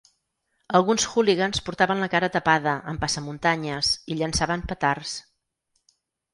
Alguns hooligans portaven la cara tapada amb passamuntanyes i llançaven petards.